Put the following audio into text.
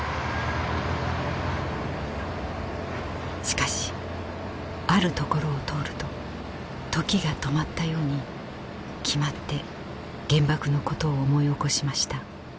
しかしある所を通ると時が止まったように決まって原爆のことを思い起こしました。